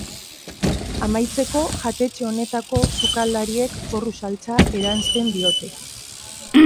Amaitzeko, jatetxe honetako sukaldariek porru saltsa eransten diote.